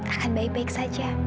akan baik baik saja